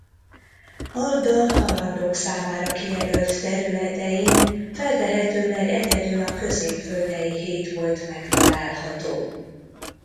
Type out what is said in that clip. Arda halandók számára kijelölt területein feltehetőleg egyedül a középföldei hét volt megtalálható.